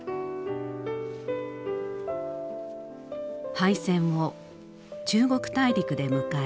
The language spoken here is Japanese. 敗戦を中国大陸で迎え引き揚げ。